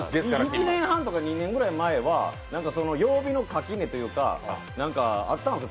１年半とか２年ぐらい前は曜日の垣根とかあったんです。